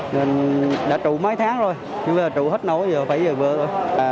nên đã trụ mấy tháng rồi nhưng mà trụ hết nấu giờ phải về vợ thôi